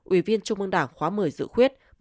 ủy viên trung ương đảng khóa một mươi dự khuyết